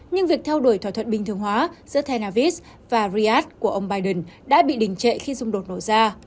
nhưng việc theo đuổi thỏa thuận bình thường hóa giữa tanafis và riyadh của ông biden đã bị đình trệ khi dung đột nổ ra